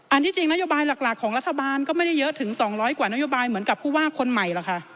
ที่จริงนโยบายหลักของรัฐบาลก็ไม่ได้เยอะถึง๒๐๐กว่านโยบายเหมือนกับผู้ว่าคนใหม่หรอกค่ะ